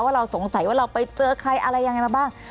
เราสงสัยว่าเราไปเจอใครอะไรยังไงมาบ้าง